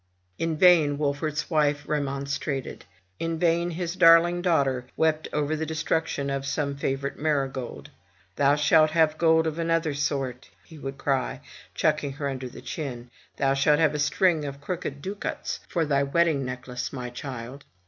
In vain Wolfert's wife remonstrated; in vain his darling daughter wept over the destruction of some favorite marigold. "Thou shalt have gold of another sort,*' he would cry, chucking her under the chin; thou shalt have a string of crooked ducats for thy ii6 FROM THE TOWER WINDOW wedding necklace, my child."